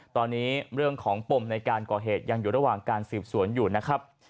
ตอนนี้เรื่องของปมในการก่อเหตุยังอยู่ระหว่างการสืบสวนอยู่นะครับ